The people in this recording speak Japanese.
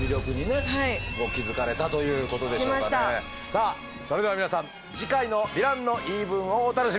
さあそれでは皆さん次回の「ヴィランの言い分」をお楽しみに。